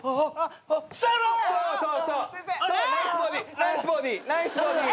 ナイスボディー！